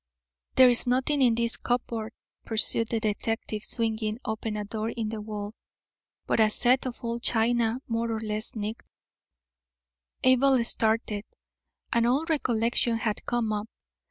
"There is nothing in this cupboard," pursued the detective, swinging open a door in the wall, "but a set of old china more or less nicked." Abel started. An old recollection had come up.